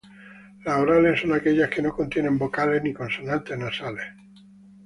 Las orales son aquellas que no contienen vocales ni consonantes nasales.